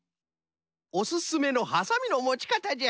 おすすめのはさみのもち方じゃ。